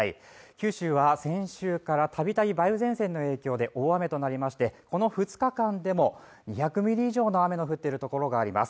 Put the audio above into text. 九州は先週から度々梅雨前線の影響で大雨となりまして、この２日間でも、２００ミリ以上の雨の降っているところがあります。